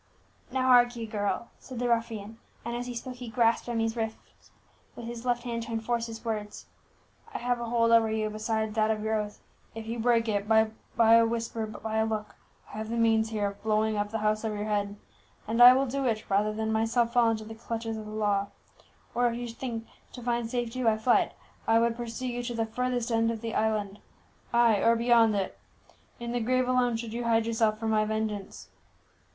"Now, hark 'ee, girl," said the ruffian, and as he spoke he grasped Emmie's wrist with his left hand to enforce his words, "I have a hold over you besides that of your oath. If you break it but by a whisper, but by a look I have the means here of blowing up the house over your head! And I will do it, rather than myself fall into the clutches of the law. Or if you should think to find safety by flight, I would pursue you to the furthest end of the island, ay, or beyond it! In the grave alone should you hide yourself from my vengeance!"